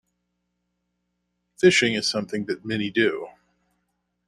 Fishing is something that many do.